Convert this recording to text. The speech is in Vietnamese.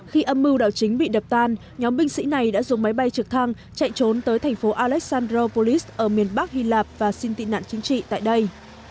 khi âm mưu đảo chính bị đập tan nhóm binh sĩ này đã dùng máy bay trực thăng chạy trốn tới thành phố alexandropolis ở miền bắc hy lạp và xin tị nạn chính trị tại đây